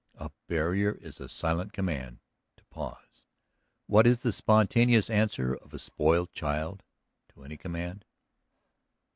A barrier is a silent command to pause; what is the spontaneous answer of a spoiled child to any command?